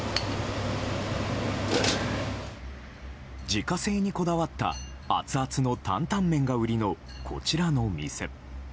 自家製にこだわったアツアツの担々麺が売りのこちらの店。